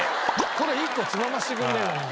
これ１個つまませてくれねえかな。